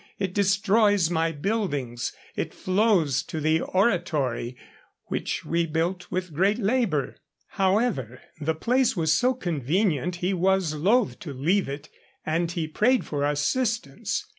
It destroys my buildings, it flows to the oratory which we built with great labour.' However, the place was so convenient he was loth to leave it, and he prayed for assistance.